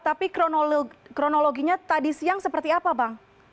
tapi kronologinya tadi siang seperti apa bang